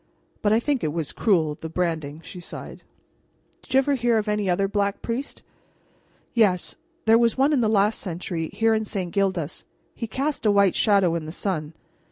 But I think it was cruel, the branding," she sighed. "Did you ever hear of any other Black Priest?" "Yes. There was one in the last century, here in St. Gildas. He cast a white shadow in the sun.